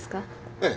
ええ。